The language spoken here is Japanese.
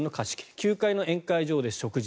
９階の宴会場で食事。